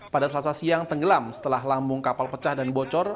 pada selasa siang tenggelam setelah lambung kapal pecah dan bocor